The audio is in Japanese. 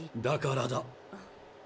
だからだ。